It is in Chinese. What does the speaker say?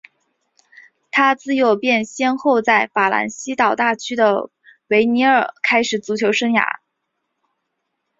他自幼便先后在法兰西岛大区的维尼厄开始足球生涯。